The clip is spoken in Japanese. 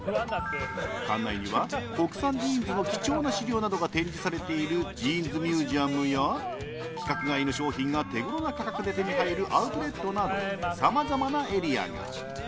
館内には国産ジーンズの貴重な資料などが展示されているジーンズミュージアムや規格外の商品が手ごろな価格で手に入るアウトレットなどさまざまなエリアが。